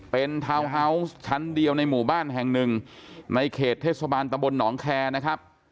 เป็นทาวน์ฮาวส์ชั้นเดียวในหมู่บ้านแห่งหนึ่งในเขตเทศบาลตะบลหนองแคร์นะครับ